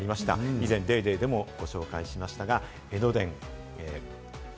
以前『ＤａｙＤａｙ．』でもご紹介しましたが江ノ電。